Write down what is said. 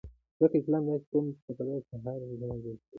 ځکه اسلام داسی قوم ته په داسی حال کی نازل سوی